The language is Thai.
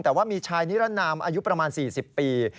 แต่ว่ามีชายนิรนามอายุประมาณ๔๐ปี